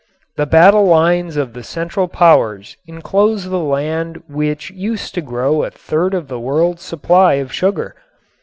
The battle lines of the Central Powers enclosed the land which used to grow a third of the world's supply of sugar.